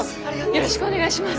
よろしくお願いします！